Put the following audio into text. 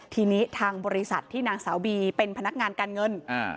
ทีนี้ทางบริษัทที่นางสาวบีเป็นพนักงานการเงิน